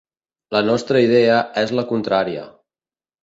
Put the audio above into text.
La nostra idea és la contrària.